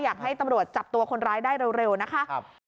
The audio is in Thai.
อยากให้ตำรวจจับตัวคนร้ายได้เร็วนะคะ